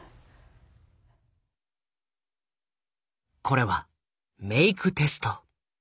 これはメイクテスト。